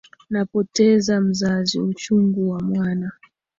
Napoteza mzazi, uchungu wa mwana.